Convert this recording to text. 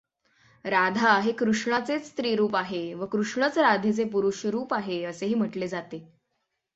राधा हे कृष्णाचेच स्त्रीरूप आहे व कृष्णच राधेचे पुरुषरूप आहे असेही म्हटले जाते.